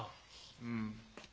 うん。